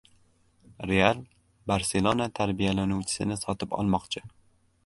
"Real" "Barselona" tarbiyalanuvchisini sotib olmoqchi